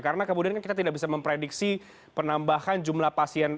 karena kemudian kita tidak bisa memprediksi penambahan jumlah pasien